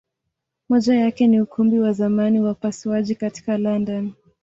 Moja yake ni Ukumbi wa zamani wa upasuaji katika London.